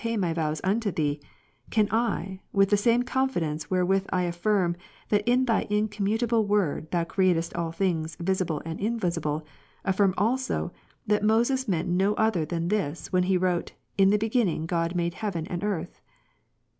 my vows unto Thee, can I, with the same confidence wherewith I affirm, that in Thy incommu table Word Thou createdst all things visible and invisible, affirm also, that Moses meant no other than this, when he wrote. In the Beginning God made heaven and earth